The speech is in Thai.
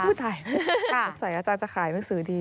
พูดไหนอาจารย์จะขายหนังสือดี